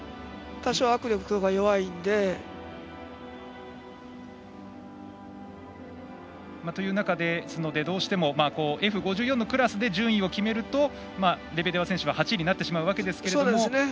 多少握力が弱いので。という中ですのでどうしてもＦ５４のクラスの中で順位を決めるとレベデワ選手は８位になってしまうわけですが。